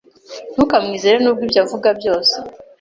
Ntukamwizere nubwo ibyo avuga byose.